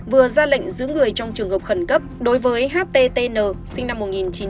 vừa ra lệnh giữ người trong trường hợp khẩn cấp đối với httn sinh năm một nghìn chín trăm tám mươi